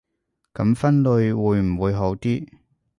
噉分類會唔會好啲